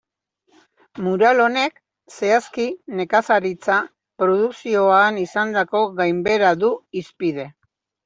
Mural honek, zehazki, nekazaritza produkzioan izandako gainbehera du hizpide.